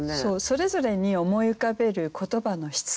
それぞれに思い浮かべる言葉の質感